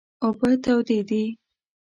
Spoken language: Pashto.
اوبه تودې دي